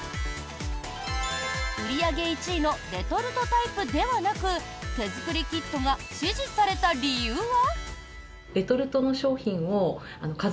売り上げ１位のレトルトタイプではなく手づくりキットが支持された理由は？